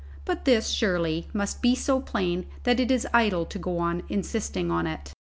But this, surely, must be so plain that it is idle to go on insisting on it.